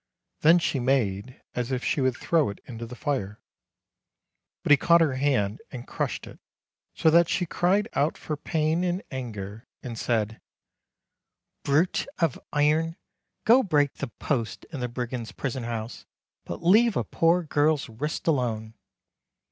Then she made as if she would throw it into the fire, but he caught her hand and crushed it, so that she cried out for pain and anger, and said :" Brute of iron, go break the posts in the brigands' prison house, but leave a poor girl's wrist alone.